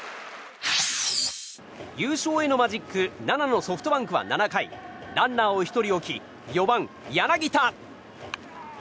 優勝へのマジック７のソフトバンクは７回ランナーを１人置き４番、柳田。